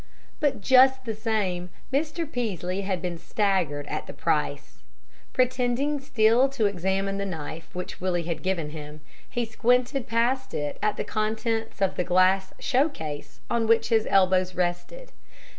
But just the same, Mr. Peaslee had been staggered at the price. Pretending still to examine the knife which Willie had given him, he squinted past it at the contents of the glass show case on which his elbows rested.